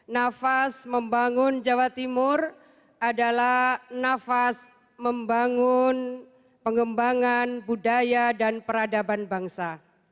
nafas membangun jawa timur adalah nafas membangun pengembangan budaya dan peradaban bangsa